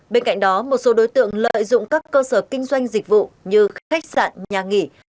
bên cạnh đó một số đối tượng lợi dụng các cơ sở kinh doanh dịch vụ như khách sạn nhà nghỉ